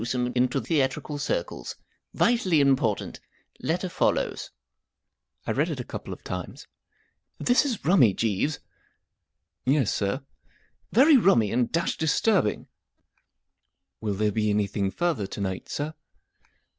3igiiizento theatrical circles* Vitally important , Letter follows 1 read it a couple of times This is rummy, Jeeves 1 ,J " Yes, sir ?"" Very rummy and dashed disturbing !"" Will there be any¬ thing further to night, sir